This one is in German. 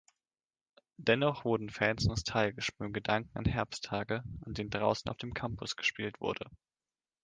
Dennoch wurden Fans nostalgisch beim Gedanken an Herbsttage, an denen draußen auf dem Campus gespielt wurde.